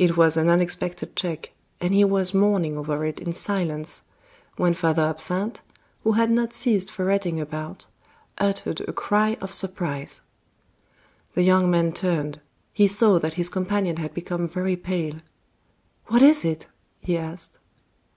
It was an unexpected check, and he was mourning over it in silence, when Father Absinthe, who had not ceased ferreting about, uttered a cry of surprise. The young man turned; he saw that his companion had become very pale. "What is it?" he asked.